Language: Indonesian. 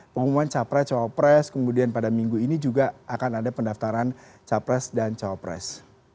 pengumuman capres cawapres kemudian pada minggu ini juga akan ada pendaftaran capres dan cawapres